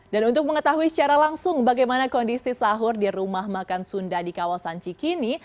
untuk mengetahui secara langsung bagaimana kondisi sahur di rumah makan sunda di kawasan cikini